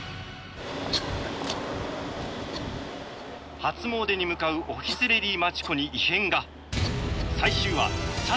初詣に向かうオフィスレディーマチコに異変がキャー！